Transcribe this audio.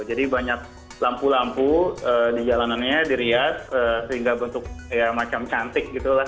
banyak lampu lampu di jalanannya dirias sehingga bentuk ya macam cantik gitu lah